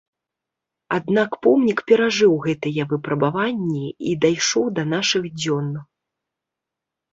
Аднак помнік перажыў гэтыя выпрабаванні і дайшоў да нашых дзён.